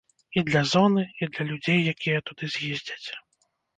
І для зоны, і для людзей, якія туды з'ездзяць.